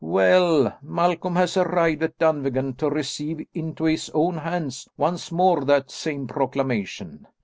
"Well, Malcolm has arrived at Dunvegan to receive into his own hands once more that same proclamation.